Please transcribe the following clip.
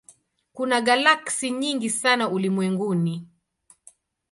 Kuna galaksi nyingi sana ulimwenguni.